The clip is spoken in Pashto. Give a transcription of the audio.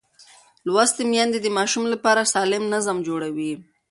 لوستې میندې د ماشوم لپاره سالم نظم جوړوي.